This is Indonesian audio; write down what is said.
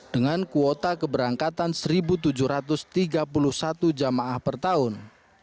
dengan kuota keberangkatan satu tujuh ratus tiga puluh satu jamaah per tahun